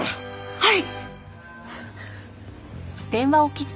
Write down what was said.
はい！